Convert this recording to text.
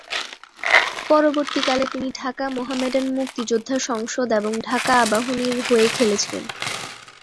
পরবর্তীকালে, তিনি ঢাকা মোহামেডান, মুক্তিযোদ্ধা সংসদ এবং ঢাকা আবাহনীর হয়ে খেলেছিলেন।